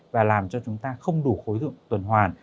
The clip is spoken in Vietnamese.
và làm cho chúng ta không đủ khối lượng tuần hoàn